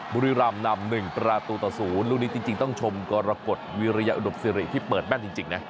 บุรีรำนำ๑ประตูต่อ๐ลูกนี้จริงต้องชมกรกฎวิริยาอุดมสิริที่เปิดแม่นจริงนะ